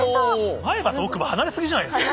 前歯と奥歯離れ過ぎじゃないですか？